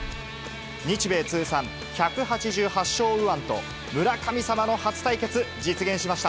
日米通算１８８勝右腕と村神様の初対決、実現しました。